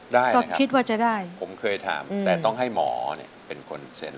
ได้นะครับผมเคยถามแต่ต้องให้หมอเป็นคนเซ็นต์